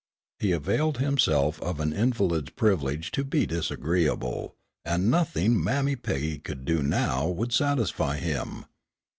He availed himself of an invalid's privilege to be disagreeable, and nothing Mammy Peggy could do now would satisfy him.